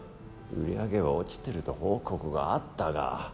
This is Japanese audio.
売り上げは落ちてると報告があったが。